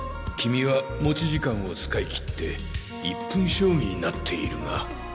君は持ち時間を使い切って１分将棋になっているが。